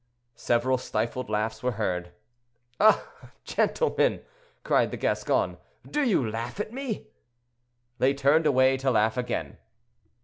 Several stifled laughs were heard. "Ah! gentlemen," cried the Gascon, "do you laugh at me?" They turned away to laugh again.